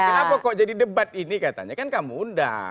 kenapa kok jadi debat ini katanya kan kamu undang